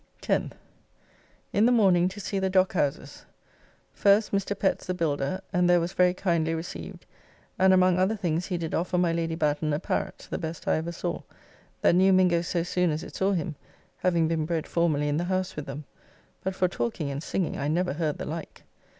10th. In the morning to see the Dockhouses. First, Mr. Pett's, the builder, and there was very kindly received, and among other things he did offer my Lady Batten a parrot, the best I ever saw, that knew Mingo so soon as it saw him, having been bred formerly in the house with them; but for talking and singing I never heard the like.